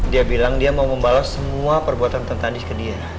dia bilang dia mau membalas semua perbuatan tentanis ke dia